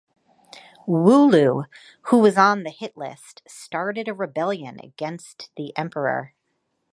Wulu, who was on the hit list, started a rebellion against the emperor.